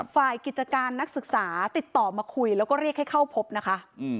ฝ่ายกิจการนักศึกษาติดต่อมาคุยแล้วก็เรียกให้เข้าพบนะคะ